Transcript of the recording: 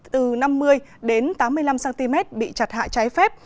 từ năm mươi đến tám mươi năm cm bị chặt hạ trái phép